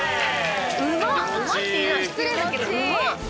「うまっ」ていうのは失礼だけどうまっ！